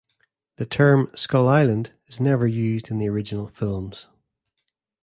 The term "Skull Island" is never used in the original films.